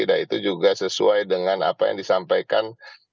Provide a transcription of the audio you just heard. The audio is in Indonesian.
nah itu juga sesuai dengan apa yang disampaikan